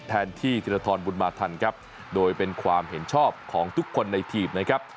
แทนที่ธีรทรบุญมาทันครับโดยเป็นความเห็นชอบของทุกคนในทีมนะครับ